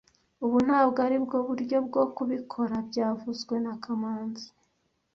Ubu ntabwo aribwo buryo bwo kubikora byavuzwe na kamanzi